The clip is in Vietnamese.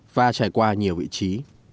và trải qua nhiều vị trí